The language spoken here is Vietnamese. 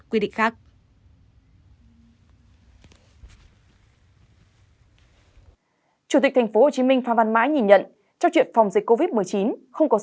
quy định khác